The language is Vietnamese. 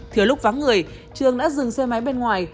thiếu lúc vắng người trường đã dừng xe máy bên ngoài